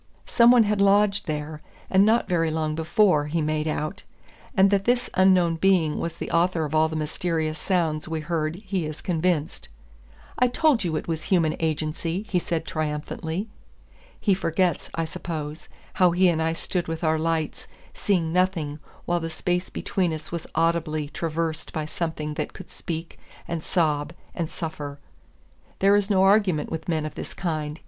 Some one had lodged there, and not very long before, he made out; and that this unknown being was the author of all the mysterious sounds we heard he is convinced. "I told you it was human agency," he said triumphantly. He forgets, I suppose, how he and I stood with our lights, seeing nothing, while the space between us was audibly traversed by something that could speak, and sob, and suffer. There is no argument with men of this kind.